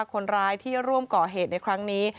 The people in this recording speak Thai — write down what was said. คนร้ายที่ร่วมก่อเหตุในครั้งนี้